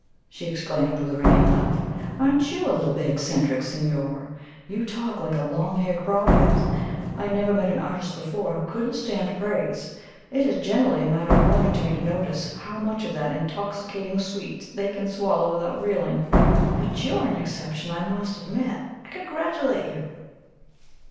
she exclaimed, with a ringing laugh, "aren't you a little bit eccentric, signor? You talk like a long haired prophet! I never met an artist before who couldn't stand praise; it is generally a matter of wonder to me to notice how much of that intoxicating sweet they can swallow without reeling. But you're an exception, I must admit. I congratulate you!"